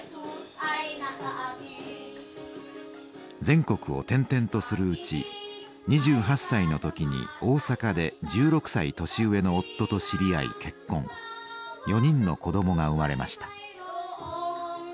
全国を転々とするうち２８歳の時に大阪で１６歳年上の夫と知り合い結婚４人の子どもが生まれました。